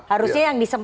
harusnya yang disesat